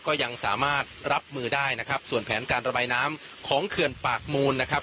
ก็ยังสามารถรับมือได้นะครับส่วนแผนการระบายน้ำของเขื่อนปากมูลนะครับ